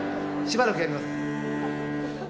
しばらくやります。